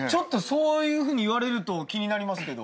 そういうふうに言われると気になりますけど。